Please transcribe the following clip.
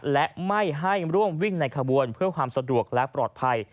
และไม่ให้ร่วมวิ่งในขบวนเพื่อความสะดวกและปลอดภัย